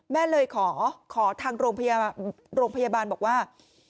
แม่เลยขอทางโรงพยาบาลบอกว่า